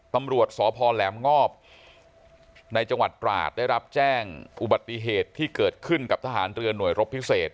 ตำรวจสพแหลมงอบในจังหวัดตราดได้รับแจ้งอุบัติเหตุที่เกิดขึ้นกับทหารเรือหน่วยรบพิเศษ